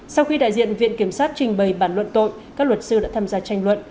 sau khi đại diện viện kiểm sát trình bày bản luận tội các luật sư đã tham gia tranh luận